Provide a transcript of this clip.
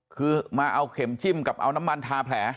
คือมาเอาเข็มจิ้มกับเอาน้ำมันทาแผล